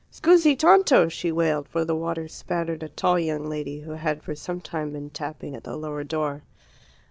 "Scusi tanto!" she wailed, for the water spattered a tall young lady who had for some time been tapping at the lower door.